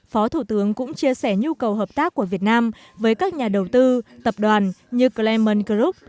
phó thủ tướng cũng chia sẻ nhu cầu hợp tác của việt nam với các nhà đầu tư tập đoàn như clemon group